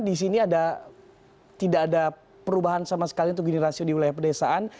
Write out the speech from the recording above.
di sini tidak ada perubahan sama sekali untuk gini rasio di wilayah pedesaan